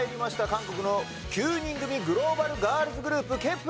韓国の９人組グローバルガールズグループＫｅｐ